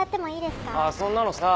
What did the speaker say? ああそんなのさ